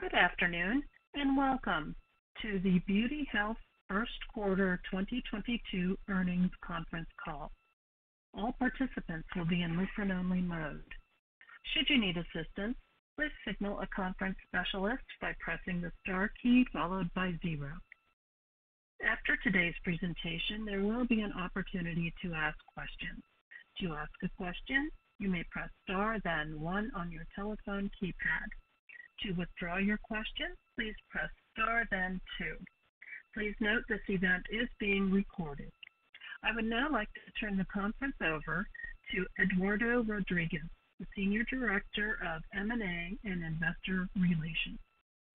Good afternoon, and welcome to The Beauty Health First Quarter 2022 Earnings Conference Call. All participants will be in listen-only mode. Should you need assistance, please signal a conference specialist by pressing the star key followed by zero. After today's presentation, there will be an opportunity to ask questions. To ask a question, you may press star then one on your telephone keypad. To withdraw your question, please press star then two. Please note this event is being recorded. I would now like to turn the conference over to Eduardo Rodriguez, Senior Director of M&A and Investor Relations.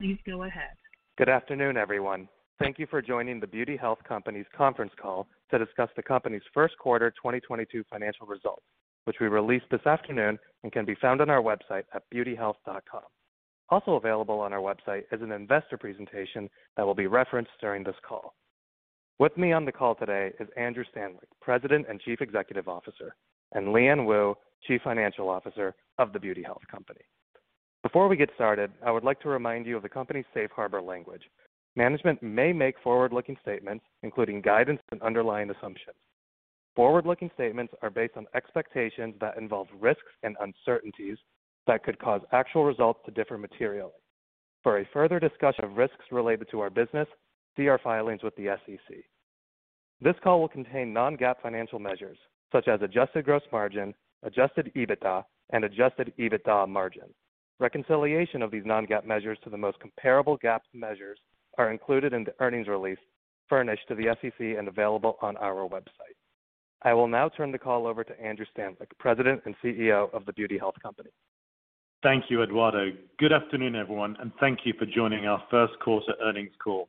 Please go ahead. Good afternoon, everyone. Thank you for joining The Beauty Health Company's conference call to discuss the company's first quarter 2022 financial results, which we released this afternoon and can be found on our website at beautyhealth.com. Also available on our website is an investor presentation that will be referenced during this call. With me on the call today is Andrew Stanleick, President and Chief Executive Officer, and Liyuan Woo, Chief Financial Officer of The Beauty Health Company. Before we get started, I would like to remind you of the company's safe harbor language. Management may make forward-looking statements, including guidance and underlying assumptions. Forward-looking statements are based on expectations that involve risks and uncertainties that could cause actual results to differ materially. For a further discussion of risks related to our business, see our filings with the SEC. This call will contain non-GAAP financial measures such as adjusted gross margin, adjusted EBITDA, and adjusted EBITDA margin. Reconciliation of these non-GAAP measures to the most comparable GAAP measures are included in the earnings release furnished to the SEC and available on our website. I will now turn the call over to Andrew Stanleick, President and CEO of The Beauty Health Company. Thank you, Eduardo. Good afternoon, everyone, and thank you for joining our first quarter earnings call.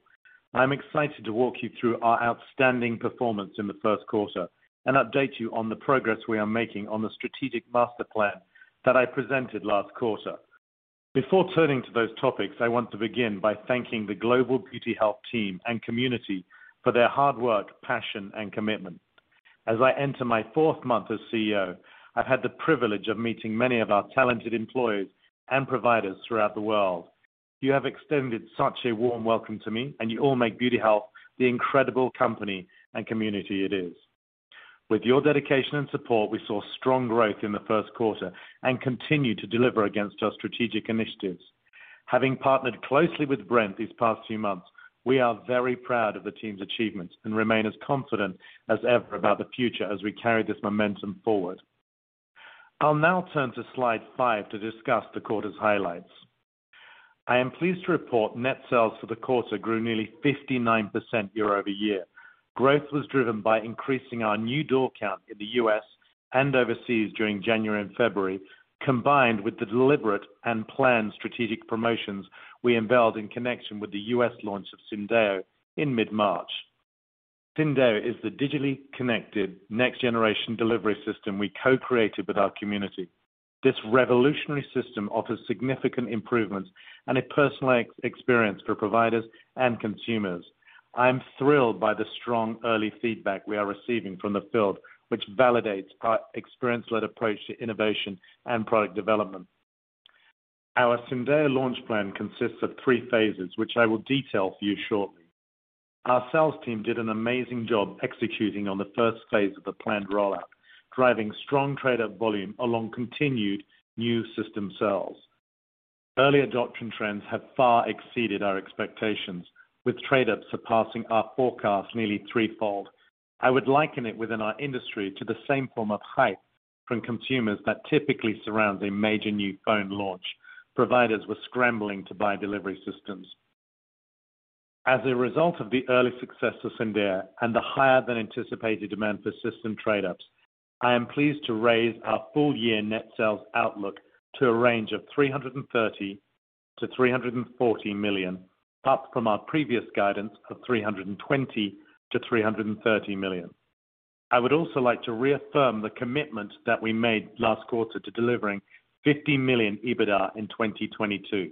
I'm excited to walk you through our outstanding performance in the first quarter and update you on the progress we are making on the strategic master plan that I presented last quarter. Before turning to those topics, I want to begin by thanking the global Beauty Health team and community for their hard work, passion, and commitment. As I enter my fourth month as CEO, I've had the privilege of meeting many of our talented employees and providers throughout the world. You have extended such a warm welcome to me, and you all make Beauty Health the incredible company and community it is. With your dedication and support, we saw strong growth in the first quarter and continue to deliver against our strategic initiatives. Having partnered closely with Brent these past few months, we are very proud of the team's achievements and remain as confident as ever about the future as we carry this momentum forward. I'll now turn to slide five to discuss the quarter's highlights. I am pleased to report net sales for the quarter grew nearly 59% year-over-year. Growth was driven by increasing our new door count in the U.S. and overseas during January and February, combined with the deliberate and planned strategic promotions we unveiled in connection with the U.S. launch of Syndeo in mid-March. Syndeo is the digitally connected next-generation delivery system we co-created with our community. This revolutionary system offers significant improvements and a personalized experience for providers and consumers. I'm thrilled by the strong early feedback we are receiving from the field, which validates our experience-led approach to innovation and product development. Our Syndeo launch plan consists of three phases, which I will detail for you shortly. Our sales team did an amazing job executing on the first phase of the planned rollout, driving strong trade-up volume along continued new system sales. Early adoption trends have far exceeded our expectations, with trade-ups surpassing our forecast nearly threefold. I would liken it within our industry to the same form of hype from consumers that typically surrounds a major new phone launch. Providers were scrambling to buy delivery systems. As a result of the early success of Syndeo and the higher than anticipated demand for system trade-ups, I am pleased to raise our full year net sales outlook to a range of $330 million-$340 million, up from our previous guidance of $320 million-$330 million. I would also like to reaffirm the commitment that we made last quarter to delivering $50 million EBITDA in 2022.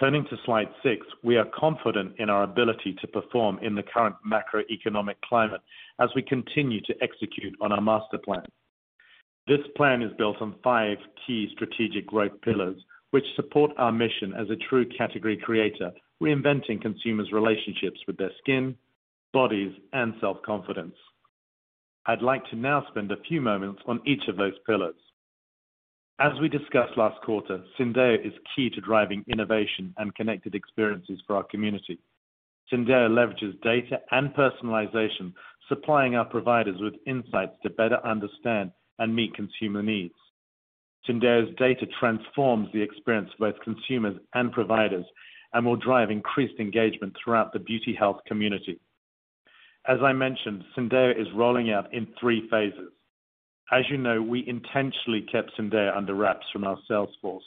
Turning to slide six, we are confident in our ability to perform in the current macroeconomic climate as we continue to execute on our master plan. This plan is built on five key strategic growth pillars, which support our mission as a true category creator, reinventing consumers' relationships with their skin, bodies, and self-confidence. I'd like to now spend a few moments on each of those pillars. As we discussed last quarter, Syndeo is key to driving innovation and connected experiences for our community. Syndeo leverages data and personalization, supplying our providers with insights to better understand and meet consumer needs. Syndeo's data transforms the experience of both consumers and providers and will drive increased engagement throughout the Beauty Health community. As I mentioned, Syndeo is rolling out in three phases. As you know, we intentionally kept Syndeo under wraps from our sales force,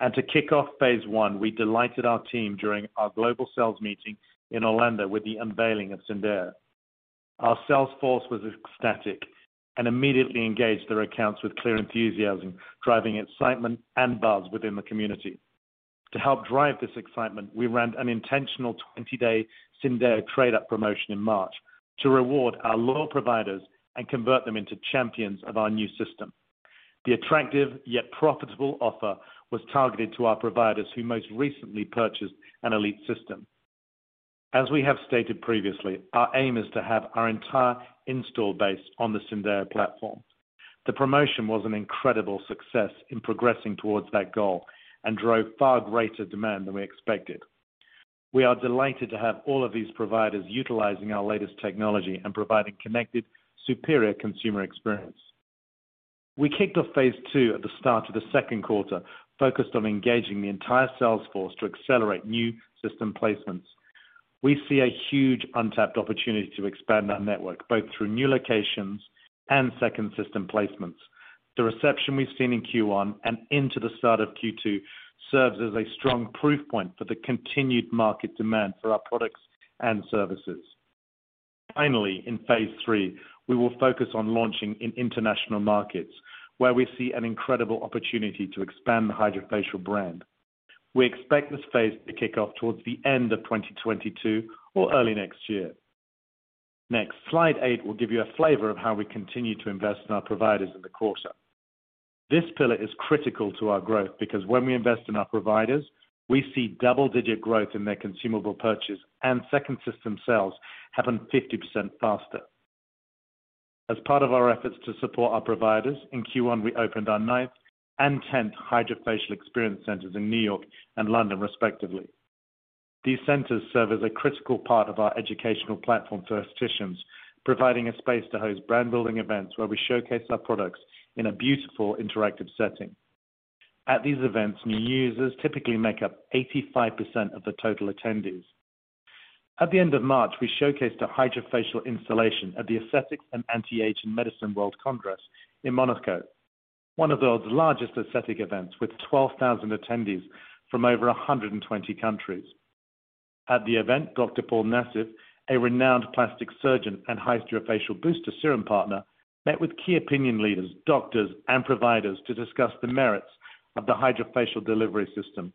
and to kick off phase one, we delighted our team during our global sales meeting in Orlando with the unveiling of Syndeo. Our sales force was ecstatic and immediately engaged their accounts with clear enthusiasm, driving excitement and buzz within the community. To help drive this excitement, we ran an intentional 20-day Syndeo trade-up promotion in March. To reward our loyal providers and convert them into champions of our new system. The attractive yet profitable offer was targeted to our providers who most recently purchased an Elite system. As we have stated previously, our aim is to have our entire installed base on the Syndeo platform. The promotion was an incredible success in progressing towards that goal and drove far greater demand than we expected. We are delighted to have all of these providers utilizing our latest technology and providing connected, superior consumer experience. We kicked off phase two at the start of the second quarter, focused on engaging the entire sales force to accelerate new system placements. We see a huge untapped opportunity to expand our network, both through new locations and second system placements. The reception we've seen in Q1 and into the start of Q2 serves as a strong proof point for the continued market demand for our products and services. Finally, in phase three, we will focus on launching in international markets where we see an incredible opportunity to expand the HydraFacial brand. We expect this phase to kick off towards the end of 2022 or early next year. Next, slide eight will give you a flavor of how we continue to invest in our providers in the quarter. This pillar is critical to our growth because when we invest in our providers, we see double-digit growth in their consumable purchase and second system sales happen 50% faster. As part of our efforts to support our providers, in Q1 we opened our ninth and tenth HydraFacial experience centers in New York and London, respectively. These centers serve as a critical part of our educational platform to estheticians, providing a space to host brand-building events where we showcase our products in a beautiful interactive setting. At these events, new users typically make up 85% of the total attendees. At the end of March, we showcased a HydraFacial installation at the Aesthetic & Anti-Aging Medicine World Congress in Monaco, one of the world's largest aesthetic events with 12,000 attendees from over 120 countries. At the event, Dr. Paul Nassif, a renowned plastic surgeon and high HydraFacial booster serum partner, met with key opinion leaders, doctors, and providers to discuss the merits of the HydraFacial delivery system.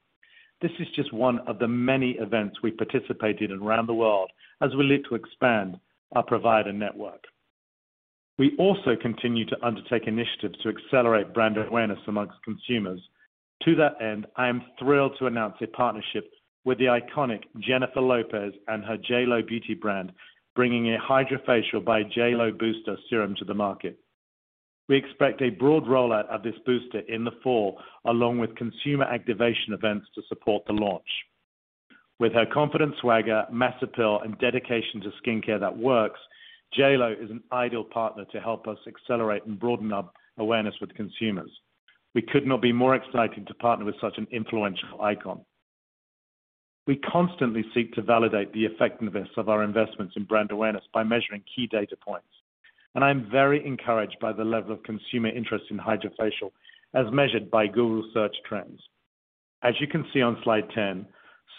This is just one of the many events we participated in around the world as we look to expand our provider network. We also continue to undertake initiatives to accelerate brand awareness among consumers. To that end, I am thrilled to announce a partnership with the iconic Jennifer Lopez and her JLO Beauty brand, bringing a HydraFacial by JLO booster serum to the market. We expect a broad rollout of this booster in the fall, along with consumer activation events to support the launch. With her confident swagger, mass appeal, and dedication to skincare that works, JLO is an ideal partner to help us accelerate and broaden up awareness with consumers. We could not be more excited to partner with such an influential icon. We constantly seek to validate the effectiveness of our investments in brand awareness by measuring key data points, and I'm very encouraged by the level of consumer interest in HydraFacial as measured by Google search trends. As you can see on slide 10,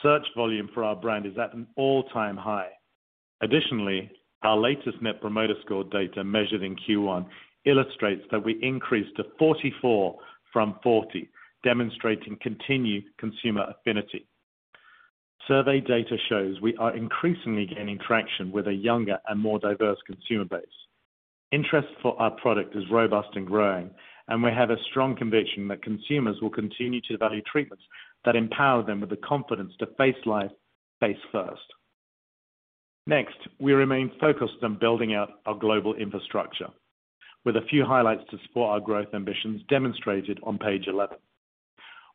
search volume for our brand is at an all-time high. Additionally, our latest net promoter score data measured in Q1 illustrates that we increased to 44 from 40, demonstrating continued consumer affinity. Survey data shows we are increasingly gaining traction with a younger and more diverse consumer base. Interest for our product is robust and growing, and we have a strong conviction that consumers will continue to value treatments that empower them with the confidence to face life face first. Next, we remain focused on building out our global infrastructure with a few highlights to support our growth ambitions demonstrated on page 11.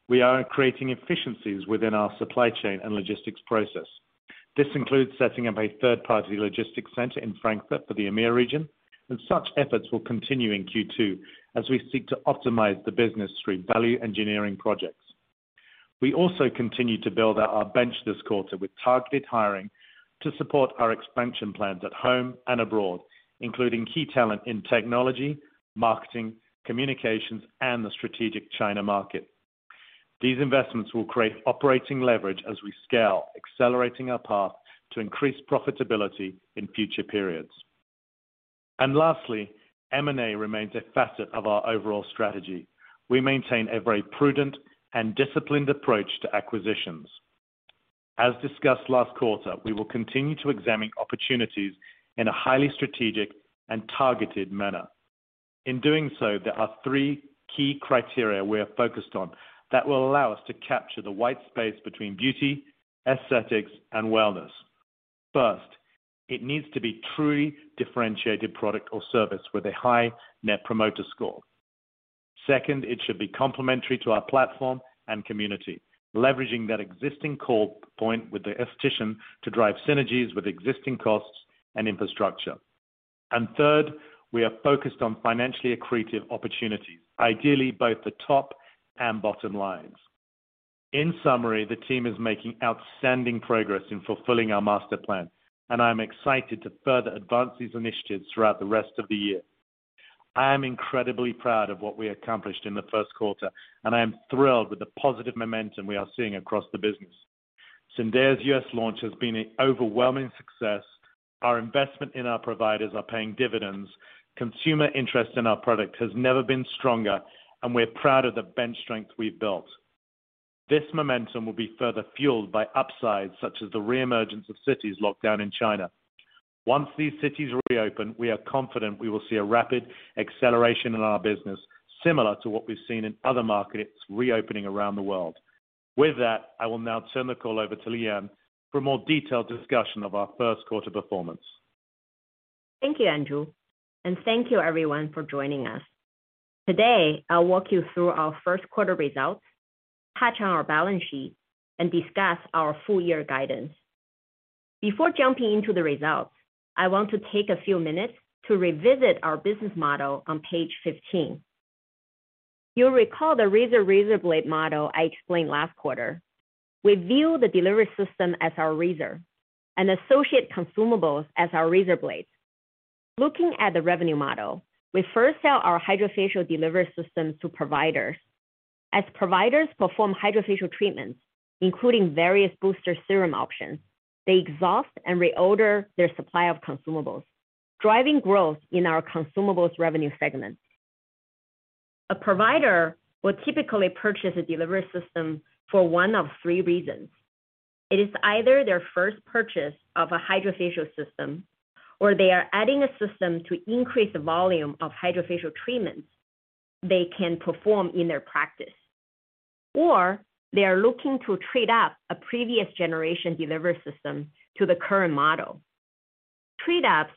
We are creating efficiencies within our supply chain and logistics process. This includes setting up a third-party logistics center in Frankfurt for the EMEA region, and such efforts will continue in Q2 as we seek to optimize the business through value engineering projects. We also continued to build out our bench this quarter with targeted hiring to support our expansion plans at home and abroad, including key talent in technology, marketing, communications, and the strategic China market. These investments will create operating leverage as we scale, accelerating our path to increase profitability in future periods. Lastly, M&A remains a facet of our overall strategy. We maintain a very prudent and disciplined approach to acquisitions. As discussed last quarter, we will continue to examine opportunities in a highly strategic and targeted manner. In doing so, there are three key criteria we are focused on that will allow us to capture the white space between beauty, aesthetics, and wellness. First, it needs to be truly differentiated product or service with a high net promoter score. Second, it should be complementary to our platform and community, leveraging that existing call point with the esthetician to drive synergies with existing costs and infrastructure. Third, we are focused on financially accretive opportunities, ideally both the top and bottom lines. In summary, the team is making outstanding progress in fulfilling our master plan, and I am excited to further advance these initiatives throughout the rest of the year. I am incredibly proud of what we accomplished in the first quarter, and I am thrilled with the positive momentum we are seeing across the business. Syndeo's U.S. launch has been an overwhelming success. Our investment in our providers are paying dividends. Consumer interest in our product has never been stronger, and we're proud of the bench strength we've built. This momentum will be further fueled by upsides such as the re-emergence of cities locked down in China. Once these cities reopen, we are confident we will see a rapid acceleration in our business, similar to what we've seen in other markets reopening around the world. With that, I will now turn the call over to Liyuan for a more detailed discussion of our first quarter performance. Thank you, Andrew, and thank you everyone for joining us. Today, I'll walk you through our first quarter results, touch on our balance sheet, and discuss our full year guidance. Before jumping into the results, I want to take a few minutes to revisit our business model on page 15. You'll recall the razor-razor blade model I explained last quarter. We view the delivery system as our razor and associate consumables as our razor blades. Looking at the revenue model, we first sell our HydraFacial delivery systems to providers. As providers perform HydraFacial treatments, including various booster serum options, they exhaust and reorder their supply of consumables, driving growth in our consumables revenue segment. A provider will typically purchase a delivery system for one of three reasons. It is either their first purchase of a HydraFacial system, or they are adding a system to increase the volume of HydraFacial treatments they can perform in their practice. They are looking to trade up a previous generation delivery system to the current model. Trade ups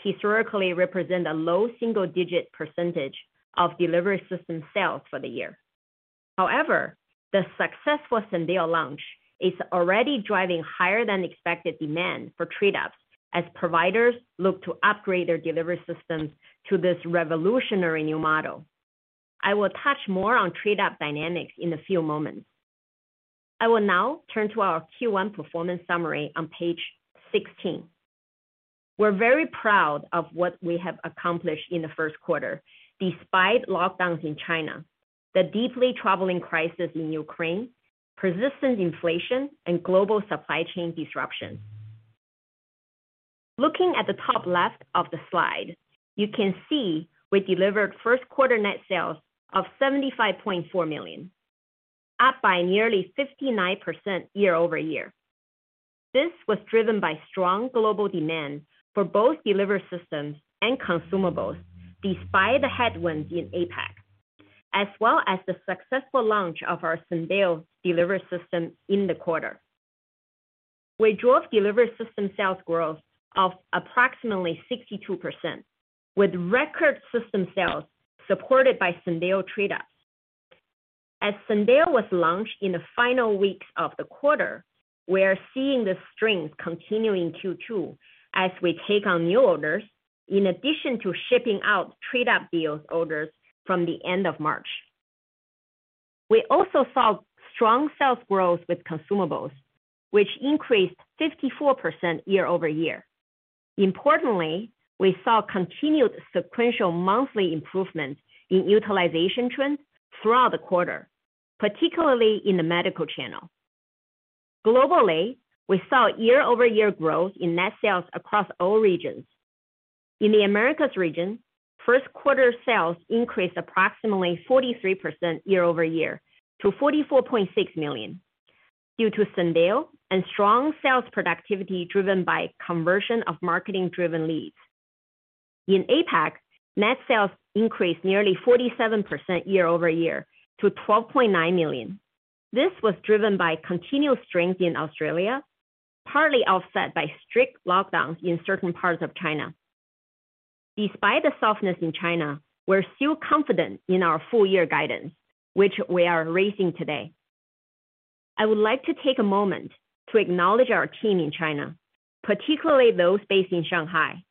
historically represent a low single-digit percentage of delivery system sales for the year. However, the successful Syndeo launch is already driving higher than expected demand for trade ups as providers look to upgrade their delivery systems to this revolutionary new model. I will touch more on trade-up dynamics in a few moments. I will now turn to our Q1 performance summary on page 16. We're very proud of what we have accomplished in the first quarter despite lockdowns in China, the deeply troubling crisis in Ukraine, persistent inflation, and global supply chain disruption. Looking at the top left of the slide, you can see we delivered first quarter net sales of $75.4 million, up by nearly 59% year-over-year. This was driven by strong global demand for both delivery systems and consumables despite the headwinds in APAC, as well as the successful launch of our Syndeo delivery system in the quarter. We drove delivery system sales growth of approximately 62% with record system sales supported by Syndeo trade-ups. As Syndeo was launched in the final weeks of the quarter, we are seeing the strength continue in Q2 as we take on new orders in addition to shipping out trade-up deals orders from the end of March. We also saw strong sales growth with consumables, which increased 54% year-over-year. Importantly, we saw continued sequential monthly improvement in utilization trends throughout the quarter, particularly in the medical channel. Globally, we saw year-over-year growth in net sales across all regions. In the Americas region, first quarter sales increased approximately 43% year-over-year to $44.6 million due to Syndeo and strong sales productivity driven by conversion of marketing driven leads. In APAC, net sales increased nearly 47% year-over-year to $12.9 million. This was driven by continued strength in Australia, partly offset by strict lockdowns in certain parts of China. Despite the softness in China, we're still confident in our full year guidance, which we are raising today. I would like to take a moment to acknowledge our team in China, particularly those based in Shanghai.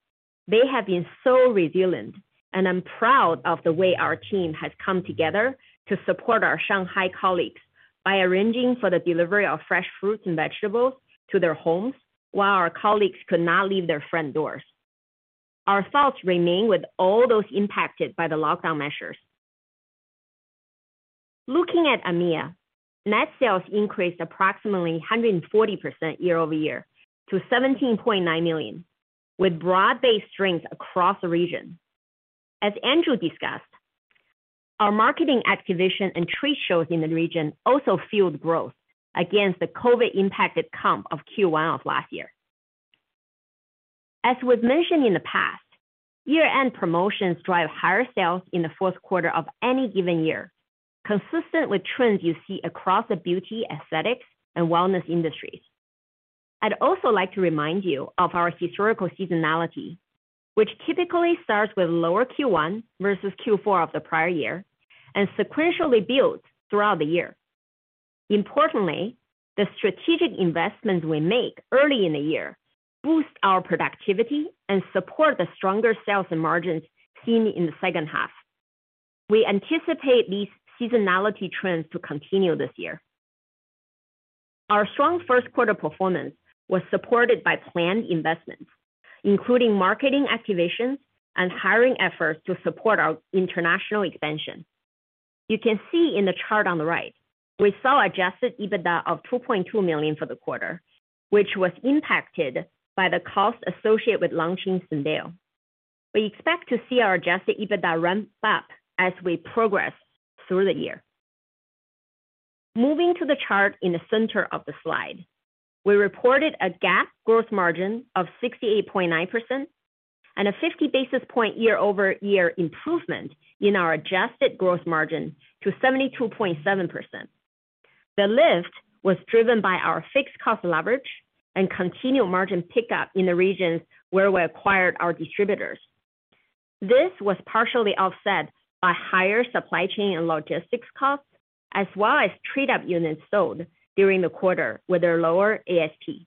They have been so resilient, and I'm proud of the way our team has come together to support our Shanghai colleagues by arranging for the delivery of fresh fruits and vegetables to their homes while our colleagues could not leave their front doors. Our thoughts remain with all those impacted by the lockdown measures. Looking at EMEA, net sales increased approximately 140% year-over-year to $17.1 million, with broad-based strength across the region. As Andrew discussed, our marketing activation and trade shows in the region also fueled growth against the COVID-impacted comp of Q1 of last year. As was mentioned in the past, year-end promotions drive higher sales in the fourth quarter of any given year, consistent with trends you see across the beauty, aesthetics, and wellness industries. I'd also like to remind you of our historical seasonality, which typically starts with lower Q1 versus Q4 of the prior year and sequentially builds throughout the year. Importantly, the strategic investments we make early in the year boost our productivity and support the stronger sales and margins seen in the second half. We anticipate these seasonality trends to continue this year. Our strong first quarter performance was supported by planned investments, including marketing activations and hiring efforts to support our international expansion. You can see in the chart on the right, we saw adjusted EBITDA of $2.2 million for the quarter, which was impacted by the cost associated with launching Syndeo. We expect to see our adjusted EBITDA ramp up as we progress through the year. Moving to the chart in the center of the slide, we reported a GAAP gross margin of 68.9% and a 50 basis points year-over-year improvement in our adjusted gross margin to 72.7%. The lift was driven by our fixed cost leverage and continued margin pickup in the regions where we acquired our distributors. This was partially offset by higher supply chain and logistics costs, as well as Trade Up units sold during the quarter with their lower ASP.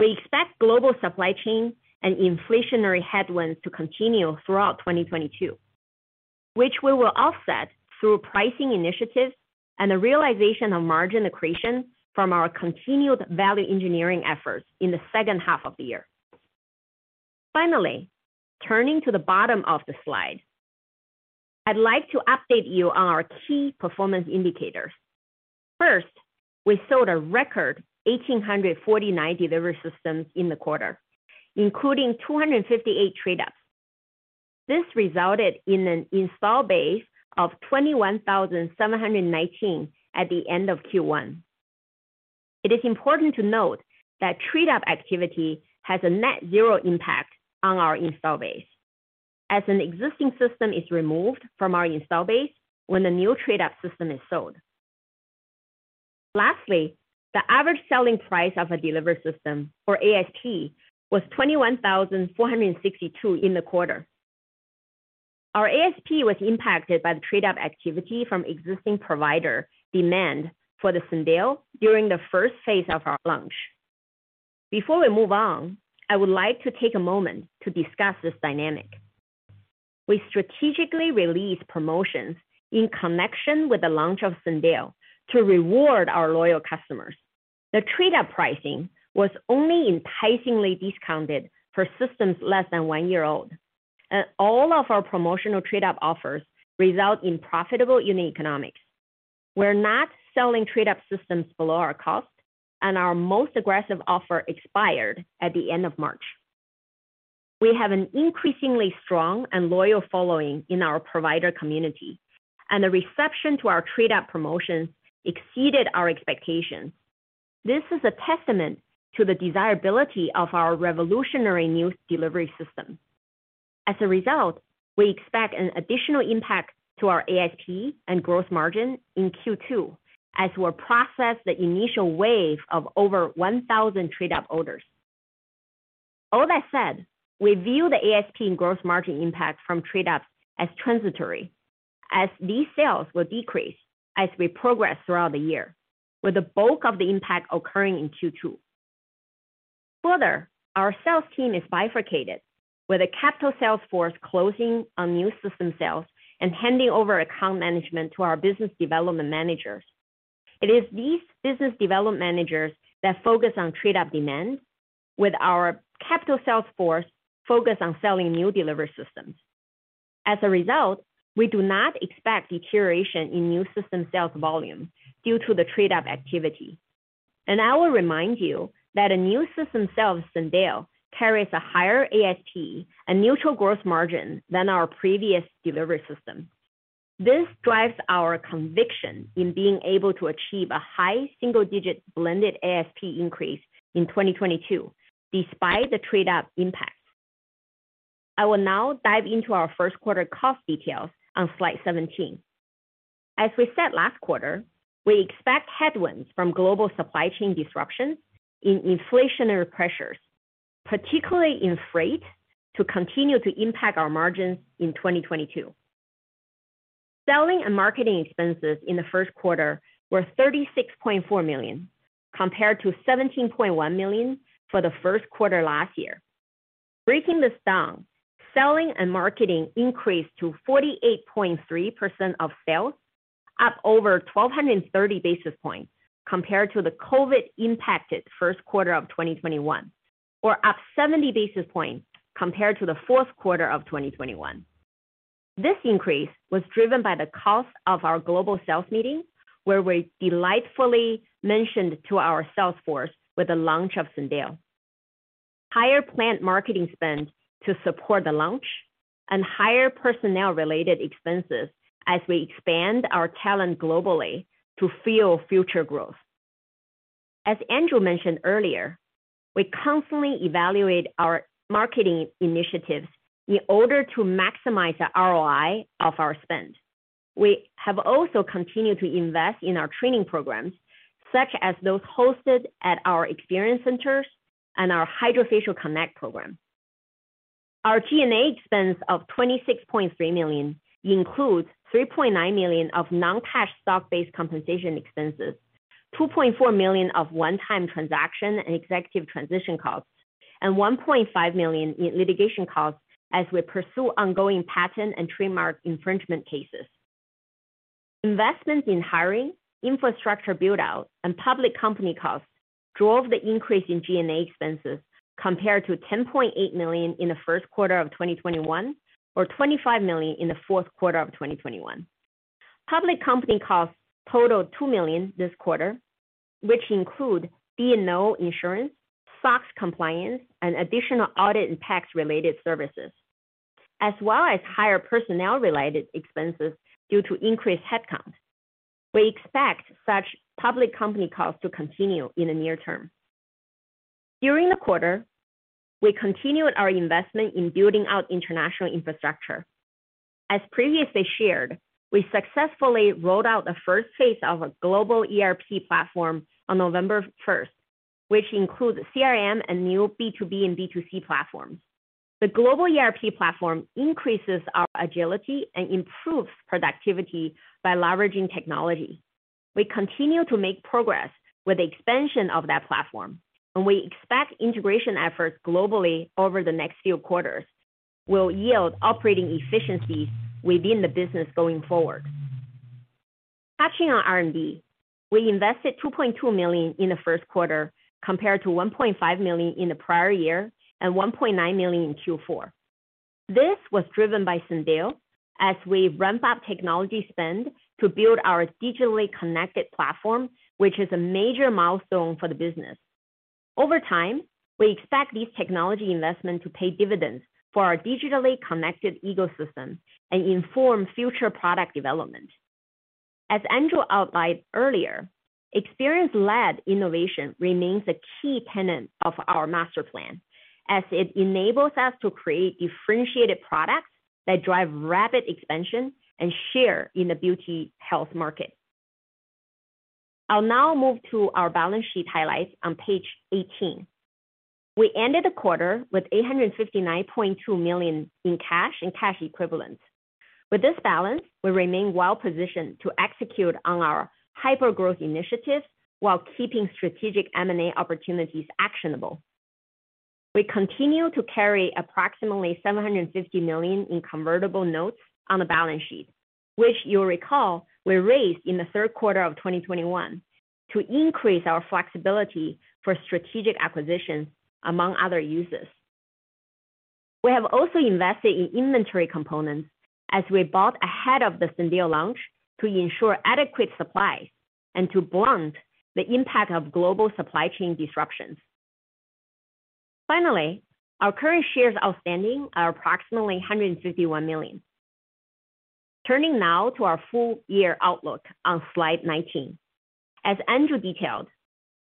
We expect global supply chain and inflationary headwinds to continue throughout 2022, which we will offset through pricing initiatives and the realization of margin accretion from our continued value engineering efforts in the second half of the year. Finally, turning to the bottom of the slide, I'd like to update you on our key performance indicators. First, we sold a record 1,849 delivery systems in the quarter, including 258 trade-ups. This resulted in an installed base of 21,719 at the end of Q1. It is important to note that trade-up activity has a net zero impact on our installed base as an existing system is removed from our installed base when the new trade-up system is sold. Lastly, the average selling price of a delivery system, or ASP, was $21,462 in the quarter. Our ASP was impacted by the trade-up activity from existing provider demand for the Syndeo during the first phase of our launch. Before we move on, I would like to take a moment to discuss this dynamic. We strategically released promotions in connection with the launch of Syndeo to reward our loyal customers. The Trade Up pricing was only enticingly discounted for systems less than one year old, and all of our promotional Trade Up offers result in profitable unit economics. We're not selling Trade Up systems below our cost, and our most aggressive offer expired at the end of March. We have an increasingly strong and loyal following in our provider community, and the reception to our Trade Up promotions exceeded our expectations. This is a testament to the desirability of our revolutionary new delivery system. As a result, we expect an additional impact to our ASP and growth margin in Q2 as we process the initial wave of over 1,000 Trade Up orders. All that said, we view the ASP and growth margin impact from Trade Ups as transitory, as these sales will decrease as we progress throughout the year, with the bulk of the impact occurring in Q2. Further, our sales team is bifurcated, with the capital sales force closing on new system sales and handing over account management to our business development managers. It is these business development managers that focus on Trade Up demand, with our capital sales force focused on selling new delivery systems. As a result, we do not expect deterioration in new system sales volume due to the Trade Up activity. I will remind you that a new system sale of Syndeo carries a higher ASP and neutral gross margin than our previous delivery system. This drives our conviction in being able to achieve a high single-digit blended ASP increase in 2022 despite the Trade Up impact. I will now dive into our first quarter cost details on slide 17. As we said last quarter, we expect headwinds from global supply chain disruptions and inflationary pressures, particularly in freight, to continue to impact our margins in 2022. Selling and marketing expenses in the first quarter were $36.4 million, compared to $17.1 million for the first quarter last year. Breaking this down, selling and marketing increased to 48.3% of sales, up over 1,230 basis points compared to the COVID-impacted first quarter of 2021 or up 70 basis points compared to the fourth quarter of 2021. This increase was driven by the cost of our global sales meeting, where we delighted our sales force with the launch of Syndeo, higher planned marketing spend to support the launch, and higher personnel-related expenses as we expand our talent globally to fuel future growth. As Andrew mentioned earlier, we constantly evaluate our marketing initiatives in order to maximize the ROI of our spend. We have also continued to invest in our training programs, such as those hosted at our experience centers and our HydraFacial CONNECT program. Our G&A expense of $26.3 million includes $3.9 million of non-cash stock-based compensation expenses, $2.4 million of one-time transaction and executive transition costs, and $1.5 million in litigation costs as we pursue ongoing patent and trademark infringement cases. Investments in hiring, infrastructure build-out, and public company costs drove the increase in G&A expenses compared to $10.8 million in the first quarter of 2021 or $25 million in the fourth quarter of 2021. Public company costs totaled $2 million this quarter, which include D&O insurance, SOX compliance, and additional audit and tax-related services, as well as higher personnel-related expenses due to increased headcount. We expect such public company costs to continue in the near term. During the quarter, we continued our investment in building out international infrastructure. As previously shared, we successfully rolled out the first phase of a global ERP platform on November first, which includes CRM and new B2B and B2C platforms. The global ERP platform increases our agility and improves productivity by leveraging technology. We continue to make progress with the expansion of that platform, and we expect integration efforts globally over the next few quarters will yield operating efficiencies within the business going forward. Touching on R&D, we invested $2.2 million in the first quarter compared to $1.5 million in the prior year and $1.9 million in Q4. This was driven by Syndeo as we ramp up technology spend to build our digitally connected platform, which is a major milestone for the business. Over time, we expect these technology investments to pay dividends for our digitally connected ecosystem and inform future product development. As Andrew outlined earlier, experience-led innovation remains a key tenet of our master plan as it enables us to create differentiated products that drive rapid expansion and share in the beauty health market. I'll now move to our balance sheet highlights on page 18. We ended the quarter with $859.2 million in cash and cash equivalents. With this balance, we remain well positioned to execute on our hyper-growth initiatives while keeping strategic M&A opportunities actionable. We continue to carry approximately $750 million in convertible notes on the balance sheet, which you'll recall were raised in the third quarter of 2021 to increase our flexibility for strategic acquisitions, among other uses. We have also invested in inventory components as we bought ahead of the Syndeo launch to ensure adequate supply and to blunt the impact of global supply chain disruptions. Finally, our current shares outstanding are approximately 151 million. Turning now to our full year outlook on slide 19. As Andrew detailed,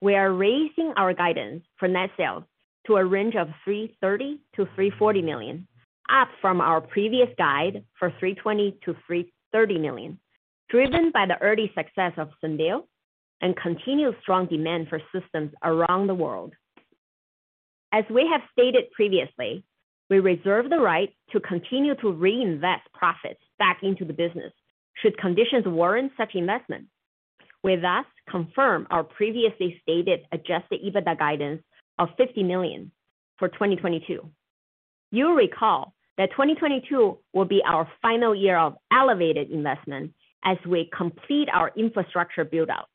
we are raising our guidance for net sales to a range of $330 million-$340 million, up from our previous guide for $320 million-$330 million, driven by the early success of Syndeo and continued strong demand for systems around the world. As we have stated previously, we reserve the right to continue to reinvest profits back into the business should conditions warrant such investment. We thus confirm our previously stated adjusted EBITDA guidance of $50 million for 2022. You'll recall that 2022 will be our final year of elevated investment as we complete our infrastructure build-out.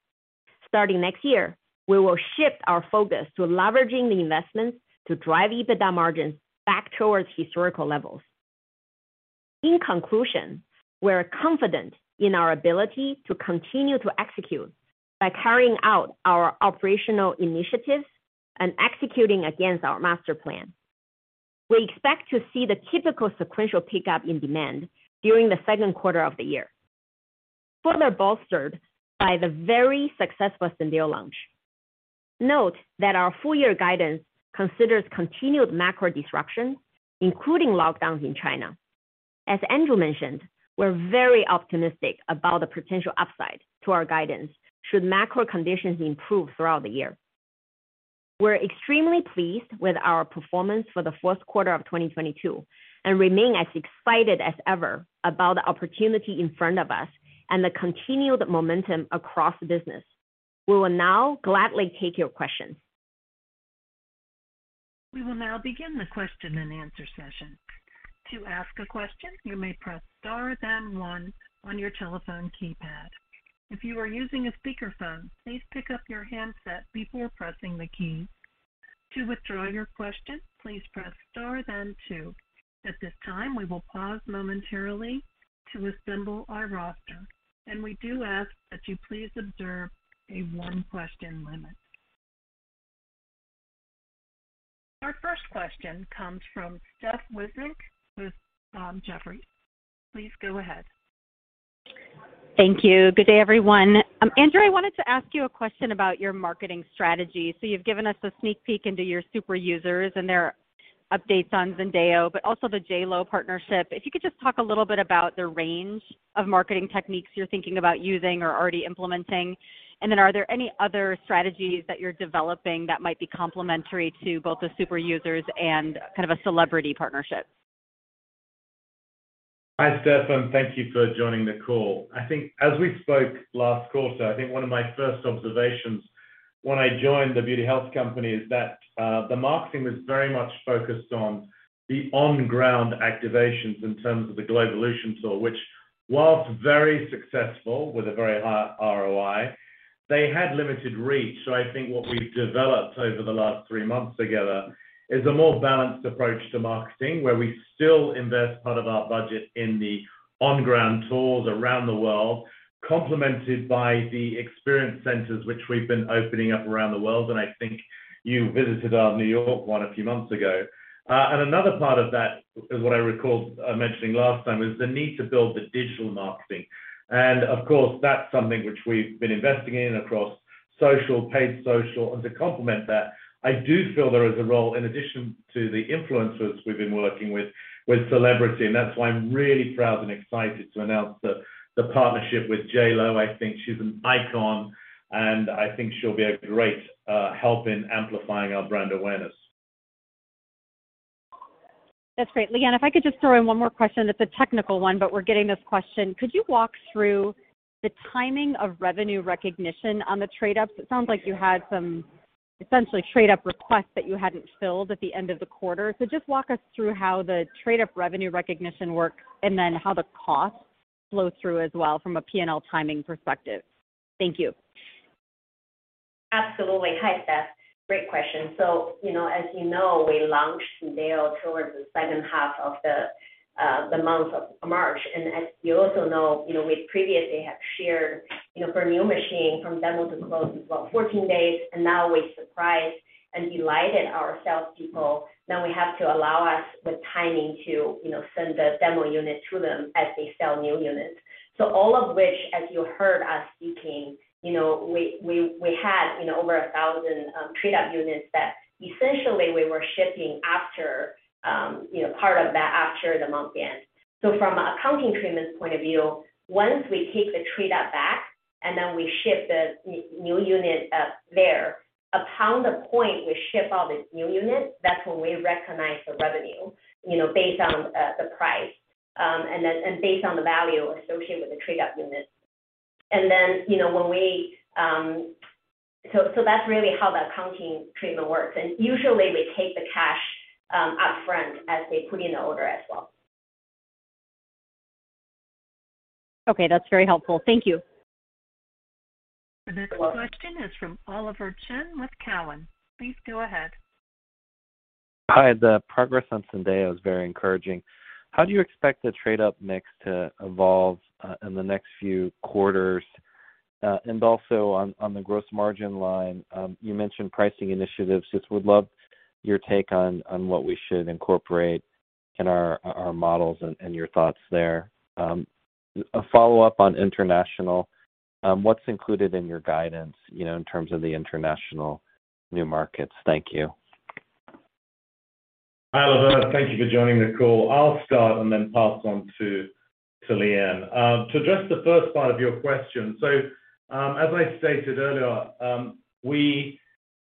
Starting next year, we will shift our focus to leveraging the investments to drive EBITDA margins back towards historical levels. In conclusion, we're confident in our ability to continue to execute by carrying out our operational initiatives and executing against our master plan. We expect to see the typical sequential pickup in demand during the second quarter of the year, further bolstered by the very successful Syndeo launch. Note that our full year guidance considers continued macro disruptions, including lockdowns in China. As Andrew mentioned, we're very optimistic about the potential upside to our guidance should macro conditions improve throughout the year. We're extremely pleased with our performance for the fourth quarter of 2022 and remain as excited as ever about the opportunity in front of us and the continued momentum across the business. We will now gladly take your questions. We will now begin the question and answer session. To ask a question, you may press star then one on your telephone keypad. If you are using a speakerphone, please pick up your handset before pressing the key. To withdraw your question, please press star then two. At this time, we will pause momentarily to assemble our roster, and we do ask that you please observe a one-question limit. Our first question comes from Steph Wissink with Jefferies. Please go ahead. Thank you. Good day, everyone. Andrew, I wanted to ask you a question about your marketing strategy. You've given us a sneak peek into your super users and their updates on Syndeo, but also the JLO partnership. If you could just talk a little bit about the range of marketing techniques you're thinking about using or already implementing. Are there any other strategies that you're developing that might be complementary to both the super users and kind of a celebrity partnership? Hi, Steph, and thank you for joining the call. I think as we spoke last quarter, I think one of my first observations when I joined The Beauty Health Company is that the marketing was very much focused on the on-ground activations in terms of the GLOWvolution tour, which while very successful with a very high ROI. They had limited reach. I think what we've developed over the last three months together is a more balanced approach to marketing, where we still invest part of our budget in the on-ground tours around the world, complemented by the experience centers, which we've been opening up around the world. I think you visited our New York one a few months ago. Another part of that is what I recall mentioning last time, is the need to build the digital marketing. Of course, that's something which we've been investing in across social, paid social. To complement that, I do feel there is a role in addition to the influencers we've been working with celebrity, and that's why I'm really proud and excited to announce the partnership with JLO. I think she's an icon, and I think she'll be a great help in amplifying our brand awareness. That's great. Liyuan, if I could just throw in one more question, that's a technical one, but we're getting this question. Could you walk through the timing of revenue recognition on the trade ups? It sounds like you had some essentially trade up requests that you hadn't filled at the end of the quarter. Just walk us through how the trade up revenue recognition works and then how the cost flows through as well from a P&L perspective. Thank you. Absolutely. Hi, Steph. Great question. You know, as you know, we launched Syndeo towards the second half of the month of March. As you also know, you know, we previously have shared, you know, for new machine from demo to close is what, 14 days. Now we surprised and delighted our salespeople. Now we have to allow us with timing to, you know, send the demo unit to them as they sell new units. All of which, as you heard us speaking, you know, we had, you know, over 1,000 trade-up units that essentially we were shipping after, you know, part of that after the month end. From an accounting treatment point of view, once we take the trade-up back and then we ship the new unit, upon the point we ship out this new unit, that's when we recognize the revenue, you know, based on the price and based on the value associated with the trade-up unit. That's really how the accounting treatment works. Usually we take the cash up front as they put in the order as well. Okay, that's very helpful. Thank you. You're welcome. The next question is from Oliver Chen with Cowen. Please go ahead. Hi. The progress on Syndeo is very encouraging. How do you expect the trade-up mix to evolve in the next few quarters? And also on the gross margin line, you mentioned pricing initiatives. Just would love your take on what we should incorporate in our models and your thoughts there. A follow-up on international, what's included in your guidance, you know, in terms of the international new markets? Thank you. Hi, Oliver. Thank you for joining the call. I'll start and then pass on to Liyuan. To address the first part of your question. As I stated earlier, we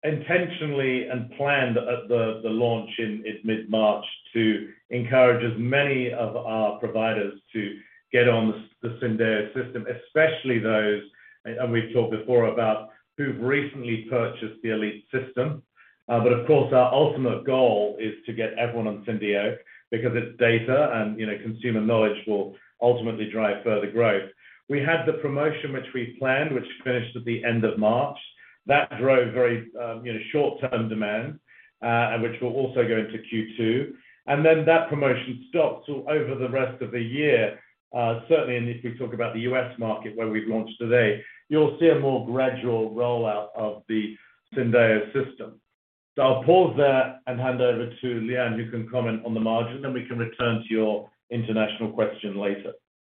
intentionally planned at the launch in mid-March to encourage as many of our providers to get on the Syndeo system, especially those and we've talked before about who've recently purchased the Elite system. But of course, our ultimate goal is to get everyone on Syndeo because its data and, you know, consumer knowledge will ultimately drive further growth. We had the promotion which we planned, which finished at the end of March. That drove very, you know, short-term demand, and which will also go into Q2. Then that promotion stops all over the rest of the year. Certainly, and if we talk about the U.S. market where we've launched today, you'll see a more gradual rollout of the Syndeo system. I'll pause there and hand over to Liyuan, who can comment on the margin, then we can return to your international question later.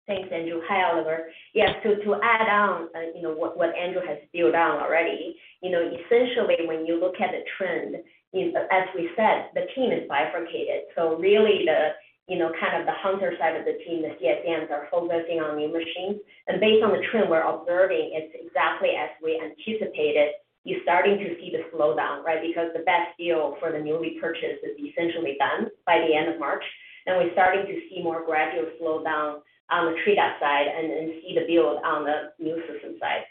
Thanks, Andrew. Hi, Oliver. Yes. To add on, you know, what Andrew has drilled down already, you know, essentially when you look at the trend is, as we said, the team is bifurcated. Really the, you know, kind of the hunter side of the team, the CSMs are focusing on new machines. And based on the trend we're observing, it's exactly as we anticipated. You're starting to see the slowdown, right? Because the best deal for the newly purchased is essentially done by the end of March, and we're starting to see more gradual slowdown on the trade-up side and then see the build on the new system side.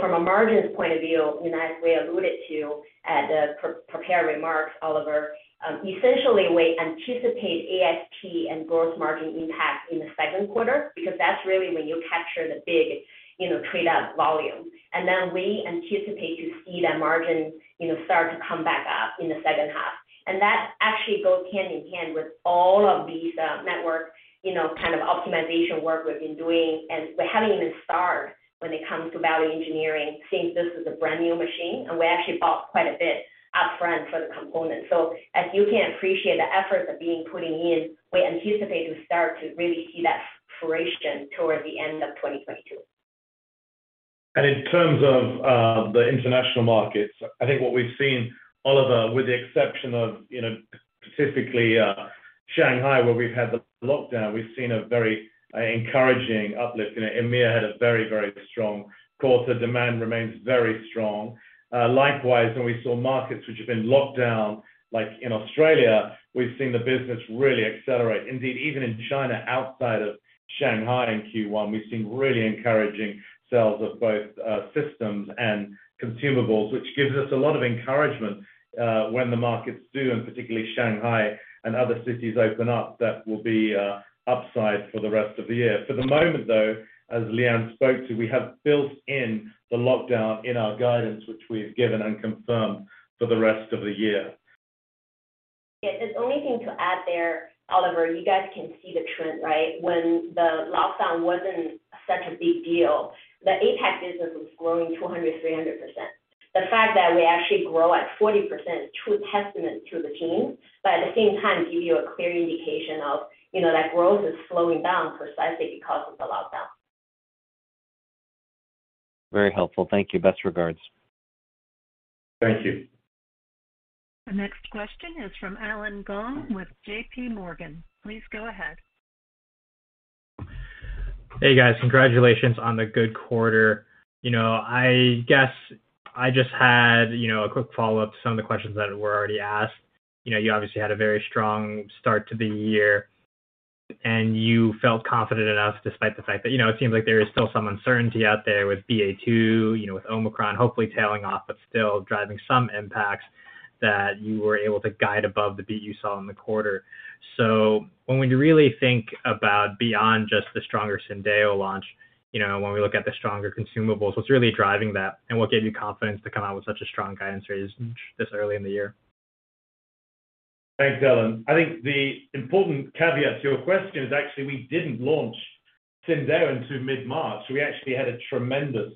From a margins point of view, you know, as we alluded to at the prepared remarks, Oliver, essentially we anticipate ASP and gross margin impact in the second quarter because that's really when you capture the big, you know, trade-up volume. We anticipate to see that margin, you know, start to come back up in the second half. That actually goes hand in hand with all of these, network, you know, kind of optimization work we've been doing. We haven't even started when it comes to value engineering since this is a brand-new machine, and we actually bought quite a bit up front for the components. As you can appreciate the efforts that's being put in, we anticipate to start to really see that fruition toward the end of 2022. In terms of the international markets, I think what we've seen, Oliver, with the exception of, you know, specifically, Shanghai, where we've had the lockdown, we've seen a very encouraging uplift. You know, EMEA had a very, very strong quarter. Demand remains very strong. Likewise, when we saw markets which have been locked down, like in Australia, we've seen the business really accelerate. Indeed, even in China, outside of Shanghai in Q1, we've seen really encouraging sales of both systems and consumables, which gives us a lot of encouragement when the markets do, and particularly Shanghai and other cities open up, that will be upside for the rest of the year. For the moment, though, as Liyuan spoke to, we have built in the lockdown in our guidance, which we have given and confirmed for the rest of the year. Yeah. The only thing to add there, Oliver, you guys can see the trend, right? When the lockdown wasn't such a big deal, the APAC business was growing 200%, 300%. The fact that we actually grow at 40% is true testament to the team, but at the same time give you a clear indication of, you know, that growth is slowing down precisely because of the lockdown. Very helpful. Thank you. Best regards. Thank you. The next question is from Allen Gong with JPMorgan. Please go ahead. Hey, guys. Congratulations on the good quarter. You know, I guess I just had, you know, a quick follow-up to some of the questions that were already asked. You know, you obviously had a very strong start to the year, and you felt confident enough despite the fact that, you know, it seems like there is still some uncertainty out there with BA.2, you know, with Omicron hopefully tailing off, but still driving some impacts that you were able to guide above the beat you saw in the quarter. When we really think about beyond just the stronger Syndeo launch, you know, when we look at the stronger consumables, what's really driving that, and what gave you confidence to come out with such a strong guidance raise this early in the year? Thanks, Allen. I think the important caveat to your question is actually we didn't launch Syndeo until mid-March. We actually had a tremendous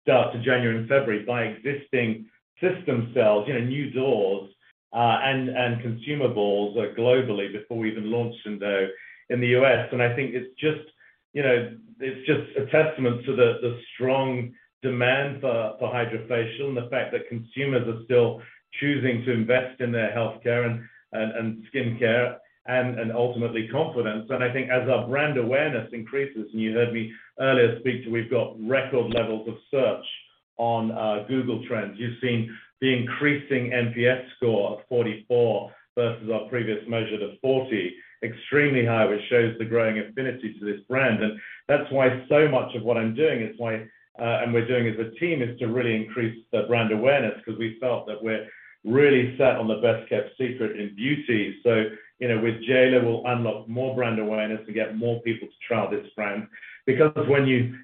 start to January and February by existing system sales, you know, new doors, and consumables globally before we even launched Syndeo in the U.S. I think it's just, you know, it's just a testament to the strong demand for HydraFacial and the fact that consumers are still choosing to invest in their healthcare and skincare and ultimately confidence. I think as our brand awareness increases, and you heard me earlier speak to we've got record levels of search on Google Trends. You've seen the increasing NPS score of 44 versus our previous measure of 40, extremely high, which shows the growing affinity to this brand. That's why so much of what I'm doing and we're doing as a team is to really increase the brand awareness because we felt that we're really sat on the best-kept secret in beauty. You know, with JLO, we'll unlock more brand awareness to get more people to trial this brand. Because when you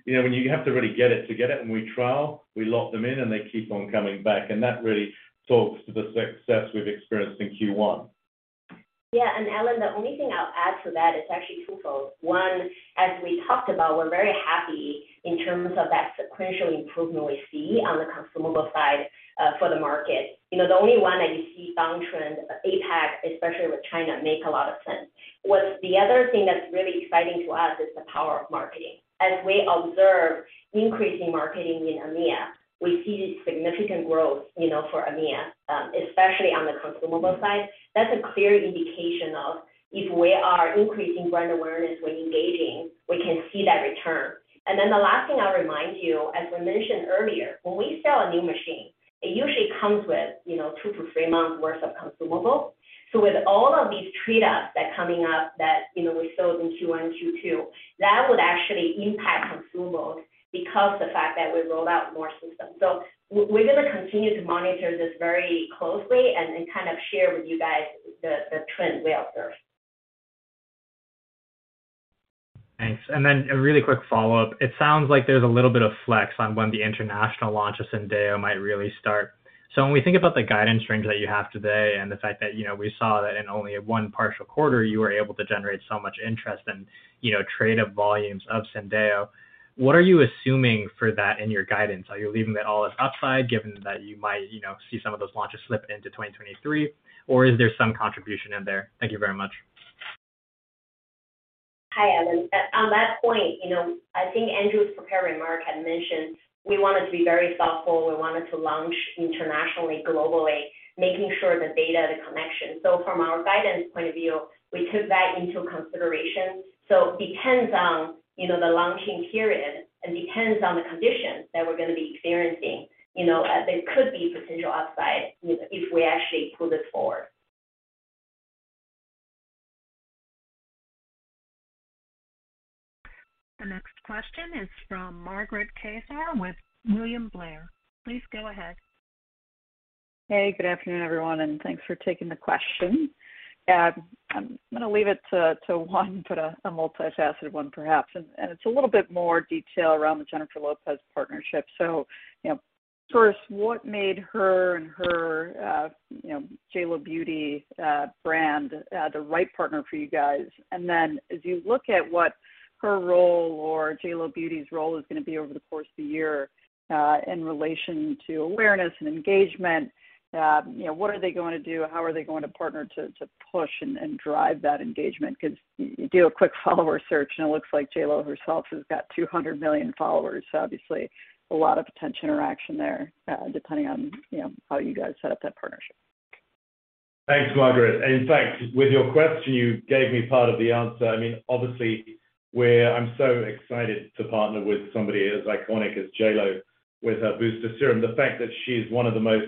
have to really try it, you get it, and they trial, we lock them in, and they keep on coming back. That really talks to the success we've experienced in Q1. Yeah. Allen, the only thing I'll add to that is actually twofold. One, as we talked about, we're very happy in terms of that sequential improvement we see on the consumable side for the market. You know, the only one that you see downtrend, APAC, especially with China, make a lot of sense. What's the other thing that's really exciting to us is the power of marketing. As we observe increasing marketing in EMEA, we see significant growth, you know, for EMEA, especially on the consumable side. That's a clear indication of if we are increasing brand awareness, we're engaging, we can see that return. The last thing I'll remind you, as we mentioned earlier, when we sell a new machine, it usually comes with, you know, two to three months worth of consumables. With all of these trade-ups that coming up that, you know, we sold in Q1 and Q2, that would actually impact consumables because the fact that we rolled out more systems. We're gonna continue to monitor this very closely and kind of share with you guys the trend we observe. Thanks. A really quick follow-up. It sounds like there's a little bit of flex on when the international launch of Syndeo might really start. When we think about the guidance range that you have today and the fact that, you know, we saw that in only one partial quarter, you were able to generate so much interest and, you know, trade-up volumes of Syndeo, what are you assuming for that in your guidance? Are you leaving that all as upside given that you might, you know, see some of those launches slip into 2023? Is there some contribution in there? Thank you very much. Hi, Allen. On that point, you know, I think Andrew's prepared remark had mentioned we wanted to be very thoughtful. We wanted to launch internationally, globally, making sure the data, the connection. From our guidance point of view, we took that into consideration. Depends on, you know, the launching period and depends on the conditions that we're gonna be experiencing. You know, there could be potential upside if we actually pull this forward. The next question is from Margaret Kaczor with William Blair. Please go ahead. Hey, good afternoon, everyone, and thanks for taking the question. I'm gonna leave it to one, but a multifaceted one perhaps. It's a little bit more detail around the Jennifer Lopez partnership. You know, first, what made her and her you know JLO Beauty brand the right partner for you guys? Then as you look at what her role or JLO Beauty's role is gonna be over the course of the year in relation to awareness and engagement, you know, what are they going to do? How are they going to partner to push and drive that engagement? Because you do a quick follower search, and it looks like JLO herself has got 200 million followers. Obviously a lot of potential interaction there, depending on, you know, how you guys set up that partnership. Thanks, Margaret. In fact, with your question, you gave me part of the answer. I mean, obviously I'm so excited to partner with somebody as iconic as JLO with her booster serum. The fact that she's one of the most,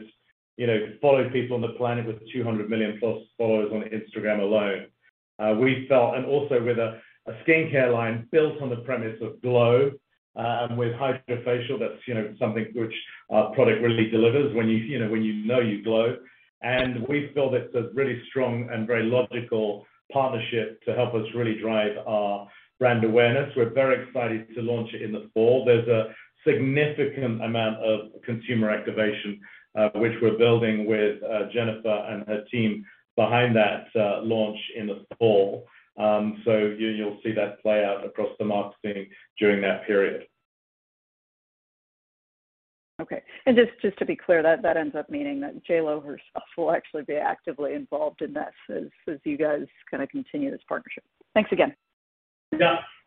you know, followed people on the planet with 200 million plus followers on Instagram alone, we felt also with a skincare line built on the premise of glow, and with HydraFacial, that's, you know, something which our product really delivers when you know you glow. We feel that's a really strong and very logical partnership to help us really drive our brand awareness. We're very excited to launch it in the fall. There's a significant amount of consumer activation, which we're building with Jennifer and her team behind that launch in the fall. You'll see that play out across the marketing during that period. Okay. Just to be clear, that ends up meaning that JLO herself will actually be actively involved in this as you guys kinda continue this partnership. Thanks again.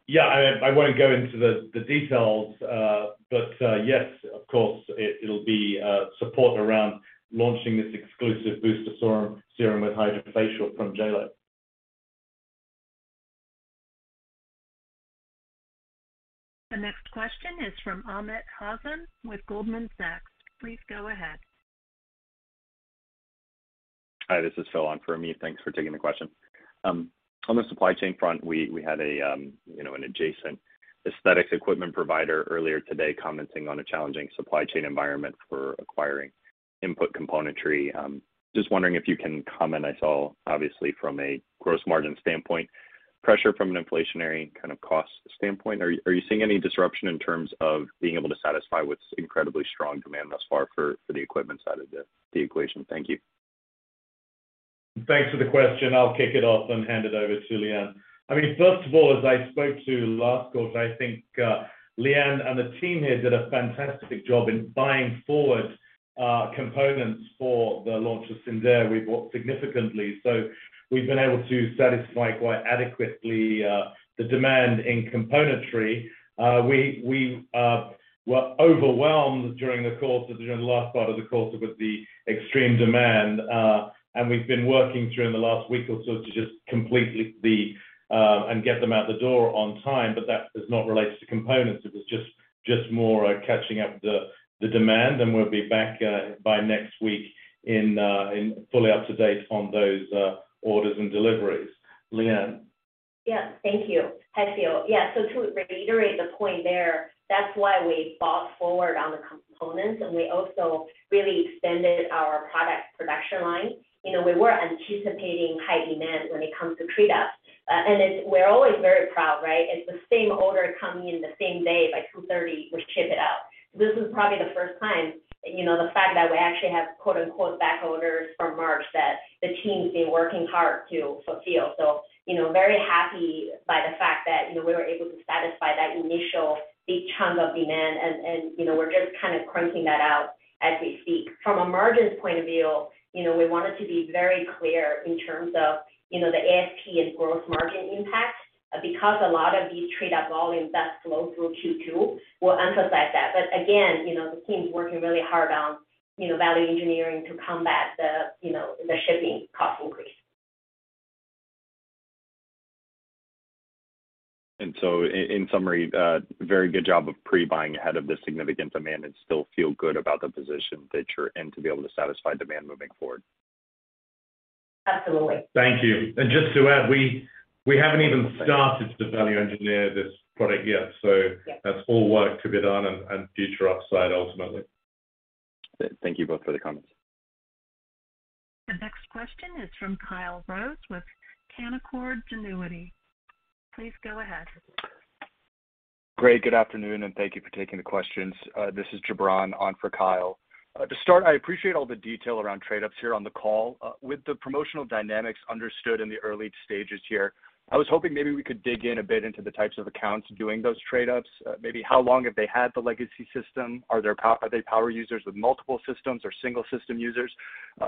Yeah. I won't go into the details, but yes, of course, it'll be support around launching this exclusive booster serum with HydraFacial from JLO. The next question is from Amit Hazan with Goldman Sachs. Please go ahead. Hi, this is Phil on for Amit. Thanks for taking the question. On the supply chain front, we had, you know, an adjacent aesthetics equipment provider earlier today commenting on a challenging supply chain environment for acquiring input componentry. Just wondering if you can comment. I saw obviously from a gross margin standpoint, pressure from an inflationary kind of cost standpoint. Are you seeing any disruption in terms of being able to satisfy what's incredibly strong demand thus far for the equipment side of the equation? Thank you. Thanks for the question. I'll kick it off and hand it over to Liyuan. I mean, first of all, as I spoke to last quarter, I think Liyuan and the team here did a fantastic job in buying forward components for the launch of Syndeo. We bought significantly. We've been able to satisfy quite adequately the demand in componentry. We were overwhelmed during the last part of the quarter with the extreme demand, and we've been working during the last week or so to just complete and get them out the door on time, but that is not related to components. It was just more catching up the demand, and we'll be back by next week in fully up to date on those orders and deliveries. Liyuan. Yeah. Thank you. Hi, Phil. Yeah. To reiterate the point there, that's why we bought forward on the components, and we also really extended our product production line. You know, we were anticipating high demand when it comes to trade up. And it's—we're always very proud, right? It's the same order coming in the same day by 2:30, we ship it out. This is probably the first time, you know, the fact that we actually have quote-unquote "back orders" from March that the team's been working hard to fulfill. You know, very happy by the fact that, you know, we were able to satisfy that initial big chunk of demand and, you know, we're just kind of cranking that out as we speak. From a margins point of view, you know, we wanted to be very clear in terms of, you know, the ASP and gross margin impact because a lot of these trade-up volumes that flow through Q2 will emphasize that. Again, you know, the team's working really hard on, you know, value engineering to combat the, you know, the shipping cost increase. In summary, very good job of pre-buying ahead of the significant demand and still feel good about the position that you're in to be able to satisfy demand moving forward. Absolutely. Thank you. Just to add, we haven't even started to value engineer this product yet. Yeah. That's all work to be done and future upside ultimately. Thank you both for the comments. The next question is from Kyle Rose with Canaccord Genuity. Please go ahead. Great. Good afternoon, and thank you for taking the questions. This is Gibran on for Kyle. To start, I appreciate all the detail around trade ups here on the call. With the promotional dynamics understood in the early stages here, I was hoping maybe we could dig in a bit into the types of accounts doing those trade ups, maybe how long have they had the legacy system? Are there power users with multiple systems or single system users?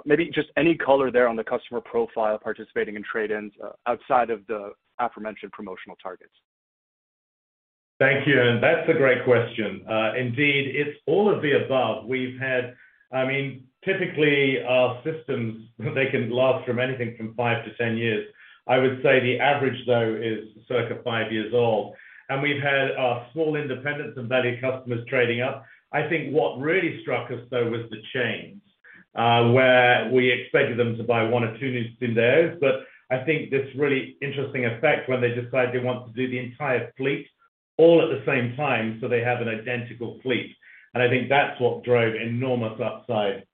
Maybe just any color there on the customer profile participating in trade-ins, outside of the aforementioned promotional targets. Thank you. That's a great question. Indeed, it's all of the above. We've had. I mean, typically, our systems, they can last from anything from five to 10 years. I would say the average, though, is circa five years old. We've had our small independents and value customers trading up. I think what really struck us, though, was the chains, where we expected them to buy one or two new Syndeos. I think this really interesting effect when they decide they want to do the entire fleet all at the same time, so they have an identical fleet. I think that's what drove enormous upside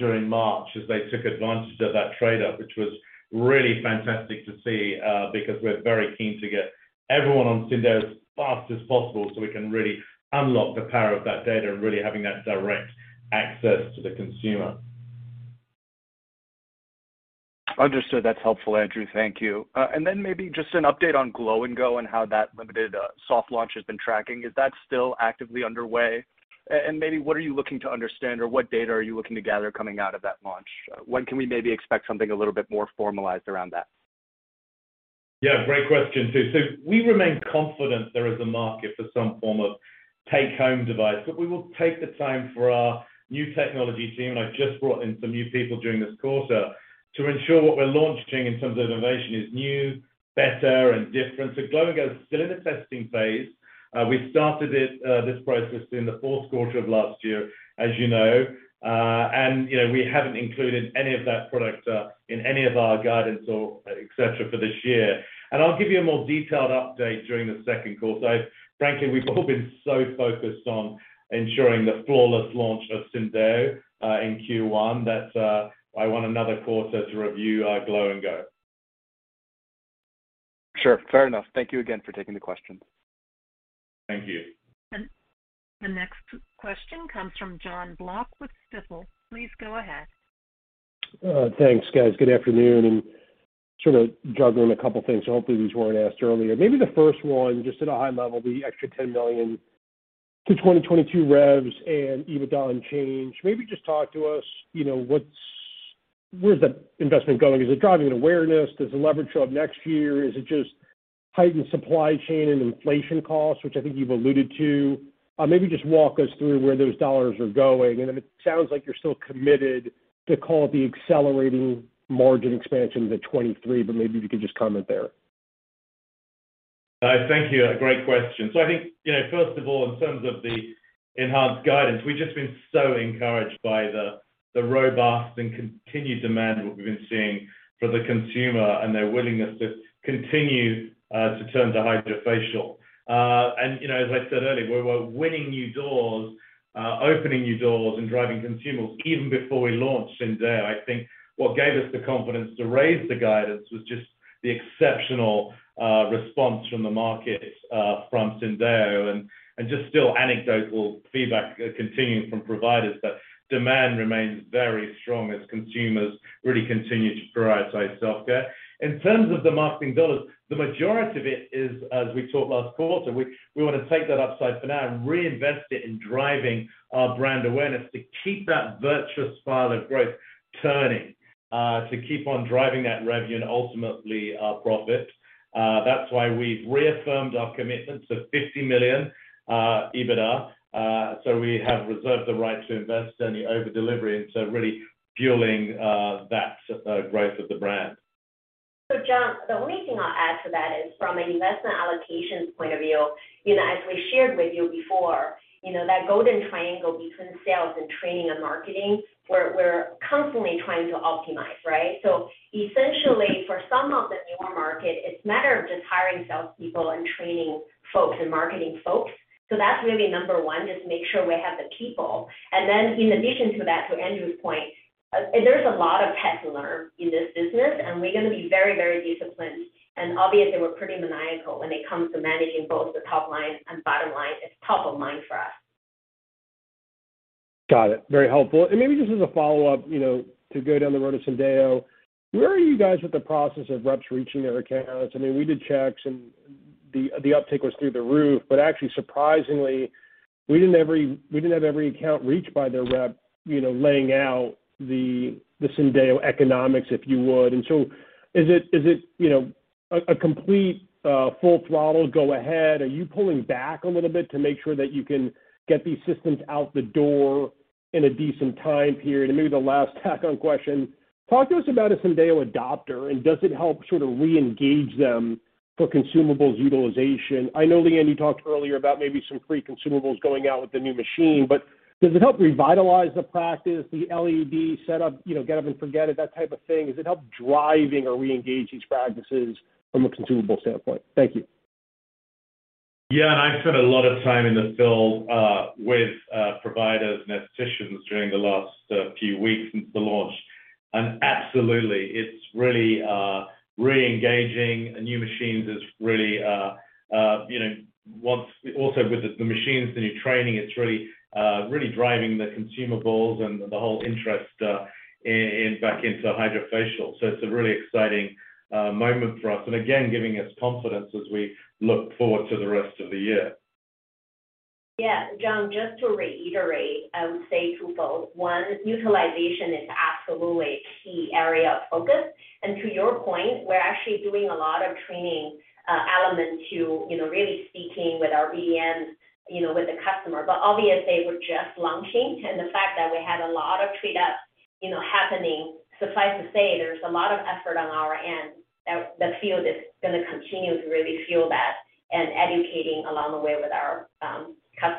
during March as they took advantage of that trade up, which was really fantastic to see, because we're very keen to get everyone on Syndeo as fast as possible, so we can really unlock the power of that data and really having that direct access to the consumer. Understood. That's helpful, Andrew. Thank you. Maybe just an update on Glow and Go and how that limited soft launch has been tracking. Is that still actively underway? Maybe what are you looking to understand or what data are you looking to gather coming out of that launch? When can we maybe expect something a little bit more formalized around that? Yeah, great question, too. We remain confident there is a market for some form of take-home device, but we will take the time for our new technology team, and I've just brought in some new people during this quarter, to ensure what we're launching in terms of innovation is new, better and different. Glow and Go is still in the testing phase. We started it this process in the fourth quarter of last year, as you know. You know, we haven't included any of that product in any of our guidance or et cetera for this year. I'll give you a more detailed update during the second quarter. Frankly, we've all been so focused on ensuring the flawless launch of Syndeo in Q1 that I want another quarter to review Glow and Go. Sure, fair enough. Thank you again for taking the questions. Thank you. The next question comes from Jon Block with Stifel. Please go ahead. Thanks, guys. Good afternoon and sort of juggling a couple things. Hopefully, these weren't asked earlier. Maybe the first one, just at a high level, the extra $10 million to 2022 revs and EBITDA on change. Maybe just talk to us, you know, where's the investment going? Is it driving an awareness? Does it leverage till up next year? Is it just heightened supply chain and inflation costs, which I think you've alluded to? Maybe just walk us through where those dollars are going. It sounds like you're still committed to call it the accelerating margin expansion to 2023, but maybe you could just comment there. Thank you. A great question. I think, you know, first of all, in terms of the enhanced guidance, we've just been so encouraged by the robust and continued demand, what we've been seeing for the consumer and their willingness to continue to turn to HydraFacial. You know, as I said earlier, we're winning new doors, opening new doors and driving consumers even before we launched Syndeo. I think what gave us the confidence to raise the guidance was just the exceptional response from the market from Syndeo and just still anecdotal feedback continuing from providers. Demand remains very strong as consumers really continue to prioritize self-care. In terms of the marketing dollars, the majority of it is, as we talked last quarter, we wanna take that upside for now and reinvest it in driving our brand awareness to keep that virtuous spiral of growth turning, to keep on driving that revenue and ultimately our profit. That's why we've reaffirmed our commitment to $50 million EBITDA. We have reserved the right to invest any over-delivery, and so really fueling that growth of the brand. Jon, the only thing I'll add to that is from an investment allocations point of view, you know, as we shared with you before, you know, that golden triangle between sales and training and marketing, we're constantly trying to optimize, right? Essentially, for some of the newer market, it's a matter of just hiring salespeople and training folks and marketing folks. That's really number one, just make sure we have the people. Then in addition to that, to Andrew's point, there's a lot of pay to learn in this business, and we're gonna be very, very disciplined. Obviously, we're pretty maniacal when it comes to managing both the top line and bottom line. It's top of mind for us. Got it. Very helpful. Maybe just as a follow-up, you know, to go down the road of Syndeo, where are you guys with the process of reps reaching their accounts? I mean, we did checks and the uptake was through the roof. But actually, surprisingly, we didn't have every account reached by their rep, you know, laying out the Syndeo economics, if you would. Is it, you know, a complete full throttle go-ahead? Are you pulling back a little bit to make sure that you can get these systems out the door in a decent time period? Maybe the last tack-on question, talk to us about a Syndeo adopter, and does it help sort of reengage them for consumables utilization? I know, Liyuan Woo, you talked earlier about maybe some free consumables going out with the new machine, but does it help revitalize the practice, the LED setup, you know, get up and forget it, that type of thing? Does it help driving or reengage these practices from a consumable standpoint? Thank you. Yeah, I've spent a lot of time in the field with providers and aestheticians during the last few weeks since the launch. Absolutely, it's really reengaging. Also, with the machines, the new training, it's really driving the consumables and the whole interest back into HydraFacial. It's a really exciting moment for us and again, giving us confidence as we look forward to the rest of the year. Yeah. Jon, just to reiterate, I would say twofold. One, utilization is absolutely a key area of focus. To your point, we're actually doing a lot of training elements to, you know, really speaking with our BDMs, you know, with the customer. Obviously, we're just launching. The fact that we had a lot of treatment uptake, you know, happening, suffice to say there's a lot of effort on our end that the field is gonna continue to really feel that and educating along the way with our customers. As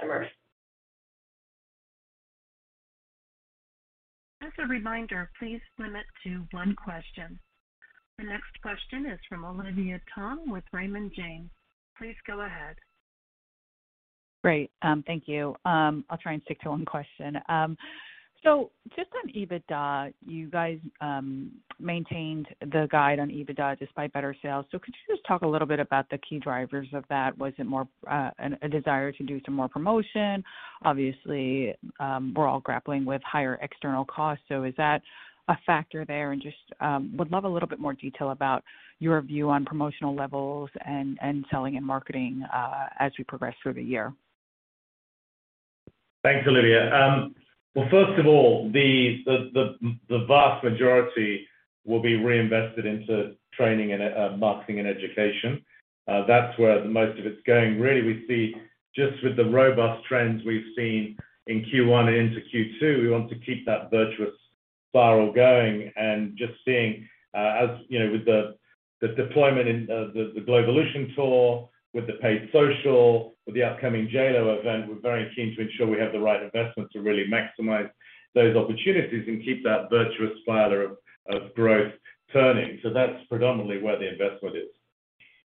a reminder, please limit to one question. The next question is from Olivia Tong with Raymond James. Please go ahead. Great. Thank you. I'll try and stick to one question. Just on EBITDA, you guys, maintained the guide on EBITDA despite better sales. Could you just talk a little bit about the key drivers of that? Was it more, a desire to do some more promotion? Obviously, we're all grappling with higher external costs. Is that a factor there? Just would love a little bit more detail about your view on promotional levels and selling and marketing, as we progress through the year. Thanks, Olivia. Well, first of all, the vast majority will be reinvested into training and marketing and education. That's where the most of it's going. Really, we see just with the robust trends we've seen in Q1 and into Q2, we want to keep that virtuous spiral going. Just seeing, as you know, with the deployment in the GLOWvolution tour, with the paid social, with the upcoming JLO event, we're very keen to ensure we have the right investment to really maximize those opportunities and keep that virtuous spiral of growth turning. That's predominantly where the investment is.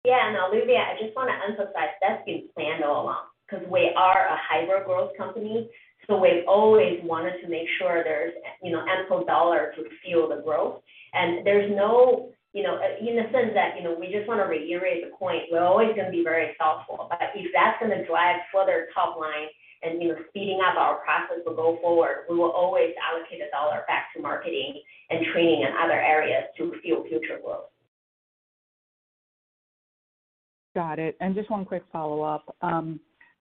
Yeah. Olivia, I just wanna emphasize that's been planned all along 'cause we are a hyper-growth company, so we've always wanted to make sure there's, you know, ample dollar to fuel the growth. There's no, you know, in the sense that, you know, we just wanna reiterate the point, we're always gonna be very thoughtful. If that's gonna drive further top line and, you know, speeding up our process to go forward, we will always allocate a dollar back to marketing and training and other areas to fuel future growth. Got it. Just one quick follow-up.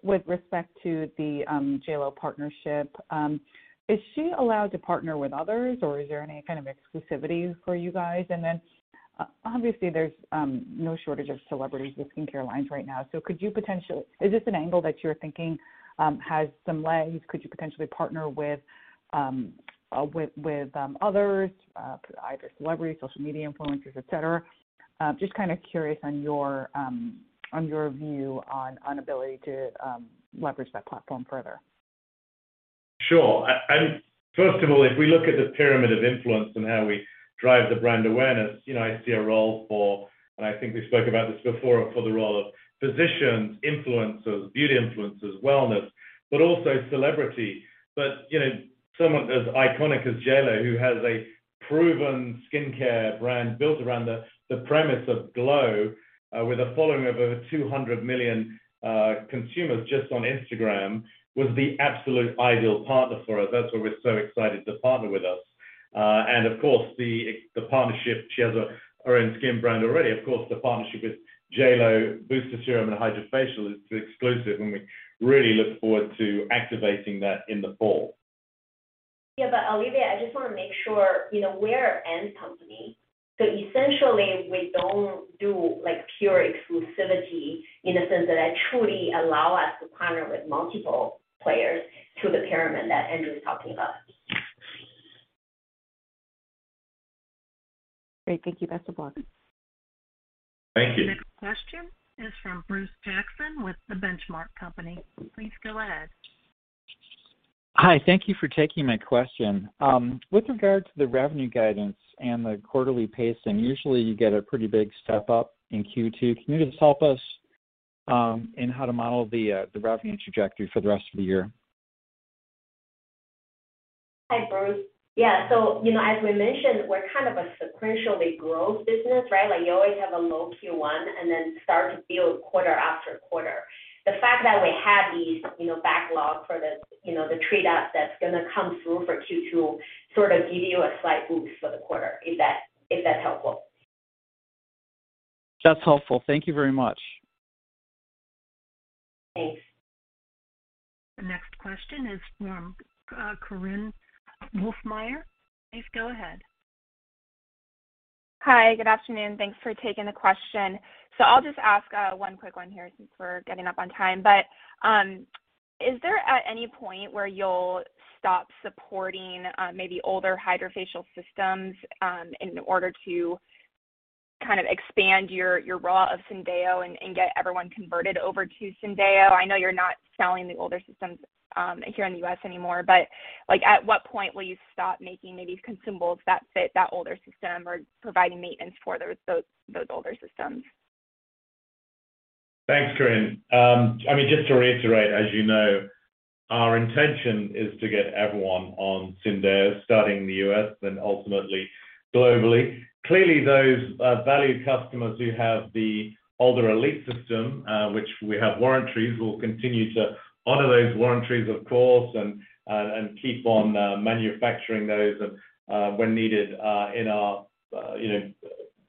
With respect to the JLO partnership, is she allowed to partner with others, or is there any kind of exclusivity for you guys? Obviously there's no shortage of celebrities with skincare lines right now. Is this an angle that you're thinking has some legs? Could you potentially partner with others, either celebrities, social media influencers, et cetera? Just kinda curious on your view on ability to leverage that platform further. Sure. First of all, if we look at the pyramid of influence and how we drive the brand awareness, you know, I see a role for, and I think we spoke about this before, for the role of physicians, influencers, beauty influencers, wellness, but also celebrity. You know, someone as iconic as JLO, who has a proven skincare brand built around the premise of glow, with a following of over 200 million consumers just on Instagram, was the absolute ideal partner for us. That's why we're so excited to partner with us. And of course, the partnership. She has her own skin brand already. Of course, the partnership with JLO Booster Serum and HydraFacial is exclusive, and we really look forward to activating that in the fall. Yeah, Olivia, I just wanna make sure, you know, we're an end company, so essentially we don't do, like, pure exclusivity in a sense that it truly allow us to partner with multiple players through the pyramid that Andrew's talking about. Great. Thank you. Best of luck. Thank you. The next question is from Bruce Jackson with The Benchmark Company. Please go ahead. Hi. Thank you for taking my question. With regard to the revenue guidance and the quarterly pacing, usually you get a pretty big step up in Q2. Can you just help us in how to model the revenue trajectory for the rest of the year? Hi, Bruce. Yeah. You know, as we mentioned, we're kind of a sequential growth business, right? Like, you always have a low Q1 and then start to build quarter after quarter. The fact that we have these, you know, backlog for the, you know, the trade up that's gonna come through for Q2 sort of give you a slight boost for the quarter, if that, if that's helpful. That's helpful. Thank you very much. Thanks. The next question is from Korinne Wolfmeyer. Please go ahead. Hi, good afternoon. Thanks for taking the question. I'll just ask one quick one here since we're getting up on time. Is there at any point where you'll stop supporting maybe older HydraFacial systems in order to kind of expand your rollout of Syndeo and get everyone converted over to Syndeo? I know you're not selling the older systems here in the U.S. anymore, but like, at what point will you stop making maybe consumables that fit that older system or providing maintenance for those older systems? Thanks, Korinne. I mean, just to reiterate, as you know, our intention is to get everyone on Syndeo, starting in the U.S., then ultimately globally. Clearly, those valued customers who have the older Elite system, which we have warranties, we'll continue to honor those warranties, of course, and keep on manufacturing those when needed in our you know,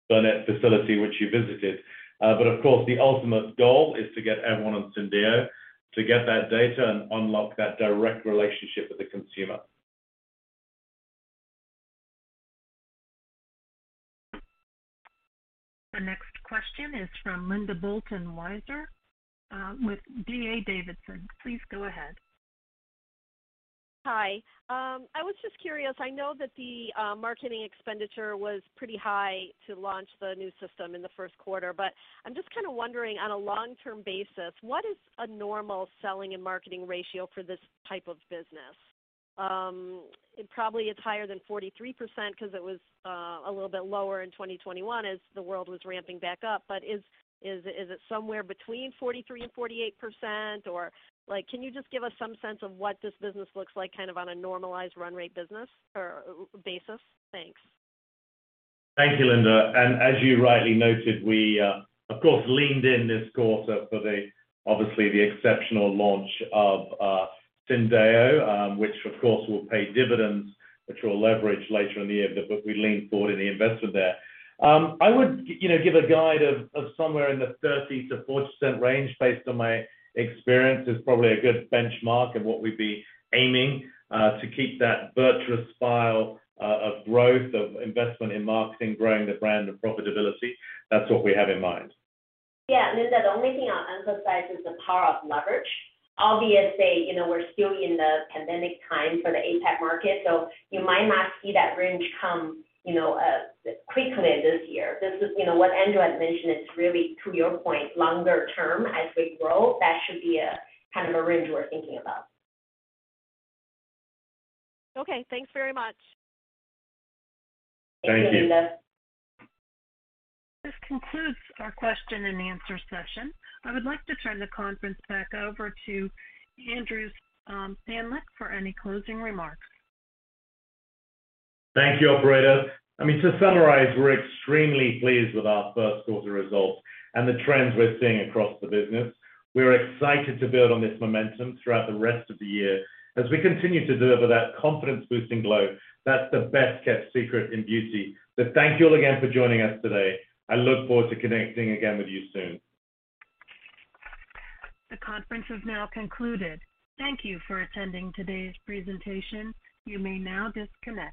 Burnet facility, which you visited. Of course, the ultimate goal is to get everyone on Syndeo to get that data and unlock that direct relationship with the consumer. The next question is from Linda Bolton Weiser, with D.A. Davidson. Please go ahead. Hi. I was just curious. I know that the marketing expenditure was pretty high to launch the new system in the first quarter, but I'm just kinda wondering, on a long-term basis, what is a normal selling and marketing ratio for this type of business? It probably is higher than 43% 'cause it was a little bit lower in 2021 as the world was ramping back up. Is it somewhere between 43% and 48%? Like, can you just give us some sense of what this business looks like kind of on a normalized run rate business or basis? Thanks. Thank you, Linda. As you rightly noted, we of course leaned in this quarter for the obviously exceptional launch of Syndeo, which of course will pay dividends, which we'll leverage later in the year, but we leaned forward in the investment there. I would you know give a guide of somewhere in the 30%-40% range based on my experience is probably a good benchmark of what we'd be aiming to keep that virtuous cycle of growth, of investment in marketing, growing the brand and profitability. That's what we have in mind. Yeah. Linda, the only thing I'll emphasize is the power of leverage. Obviously, you know, we're still in the pandemic time for the APAC market, so you might not see that range come, you know, quickly this year. This is, you know, what Andrew had mentioned. It's really, to your point, longer term as we grow. That should be kind of a range we're thinking about. Okay. Thanks very much. Thank you. Thank you, Linda. This concludes our question-and-answer session. I would like to turn the conference back over to Andrew Stanleick for any closing remarks. Thank you, operator. I mean, to summarize, we're extremely pleased with our first quarter results and the trends we're seeing across the business. We're excited to build on this momentum throughout the rest of the year as we continue to deliver that confidence-boosting glow. That's the best-kept secret in beauty. Thank you all again for joining us today. I look forward to connecting again with you soon. The conference has now concluded. Thank you for attending today's presentation. You may now disconnect.